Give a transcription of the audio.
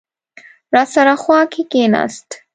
راسره خوا کې کېناست.